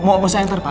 mau saya ntar pak